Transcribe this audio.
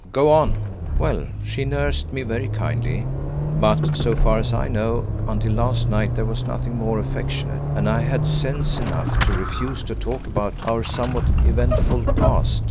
Go on." "Well, she nursed me very kindly, but, so far as I know, until last night there was nothing more affectionate, and I had sense enough to refuse to talk about our somewhat eventful past.